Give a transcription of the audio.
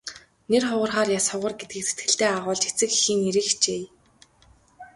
Нэр хугарахаар яс хугар гэдгийг сэтгэлдээ агуулж эцэг эхийн нэрийг хичээе.